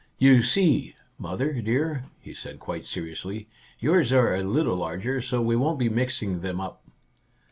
" You see, mother dear," he said quite seri ously, " yours are a little larger, so we won't be mixing them up